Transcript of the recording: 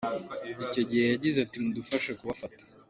Icyo gihe yagize ati: “Mudufashe kubafata.